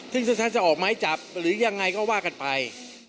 ถ้าจะออกไม้จับหรือยังไงก็ว่ากันไป